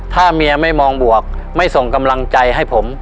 ถ้าเมียไม่มองบวกไม่ส่งกำลังใจให้ผม